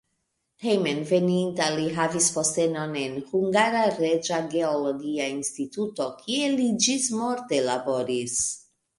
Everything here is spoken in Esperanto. Hejmenveninta li havis postenon en "Hungara Reĝa Geologia Instituto", kie li ĝismorte laboris.